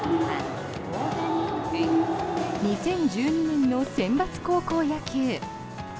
２０１２年のセンバツ高校野球。